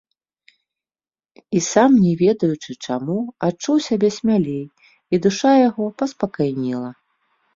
І, сам не ведаючы чаму, адчуў сябе смялей, і душа яго паспакайнела.